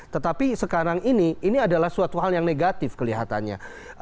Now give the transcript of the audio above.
tetapi sekarang ini ini adalah suatu hal yang negatif kelihatannya